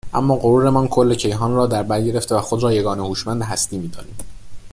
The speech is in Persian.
اما غرورمان کل کیهان را در برگرفته و خود را یگانه هوشمند هستی میدانیم